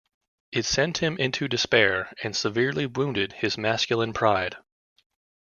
It sent him into despair and severely wounded his masculine pride.